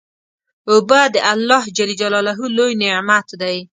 اوبه د الله لوی نعمت دی.